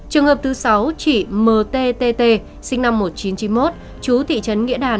trường hợp thứ sáu là chị mttt sinh năm một nghìn chín trăm chín mươi một chú thị trấn nghĩa đàn huyện nghĩa đàn